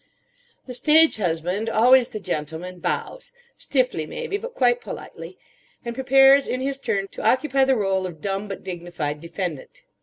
The stage husband—always the gentleman—bows;—stiffly maybe, but quite politely; and prepares in his turn to occupy the rôle of dumb but dignified defendant.